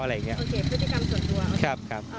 พฤติกรรมส่วนตัวครับครับครับ